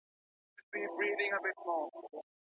د ښوونکي اخلاق تر درس زیات اغیز لري.